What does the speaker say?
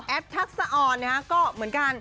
ทักษะออนก็เหมือนกัน